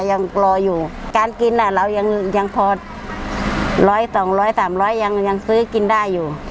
ยังรออยู่การกินเรายังพอร้อยสองร้อยสามร้อยยังซื้อกินได้อยู่